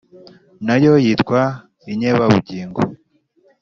na yo yitwa inkebabugingo.